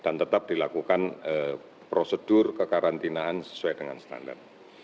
dan tetap dilakukan prosedur kekarantinaan sesuai dengan standar